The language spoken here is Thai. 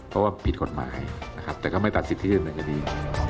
เพราะว่าผิดกฎหมายแต่ก็ไม่ตัดสิทธินอะไรก็ดี